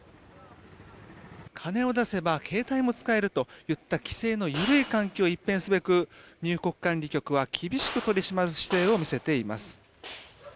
金を出せば携帯も使えるといった規制の緩い環境を一変すべく入国管理局は厳しく取り締まる姿勢を見せています。